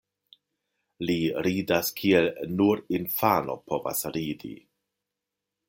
Li ridas kiel nur infano povas ridi.